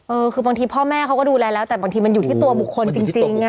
เออคือบางทีพ่อแม่เขาก็ดูแลแล้วแต่บางทีมันอยู่ที่ตัวบุคคลจริง